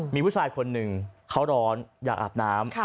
มีผู้ชายคนหนึ่งเขาร้อนอยากอาบน้ำ